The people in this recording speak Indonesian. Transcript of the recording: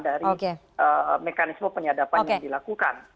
dari mekanisme penyadapan yang dilakukan